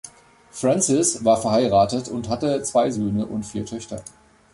Francis war verheiratet und hatte zwei Söhne und vier Töchter.